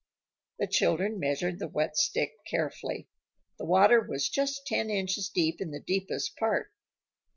The children measured the wet stick carefully. The water was just ten inches deep in the deepest part.